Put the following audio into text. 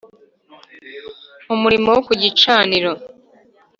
Umurimo wo ku gicaniro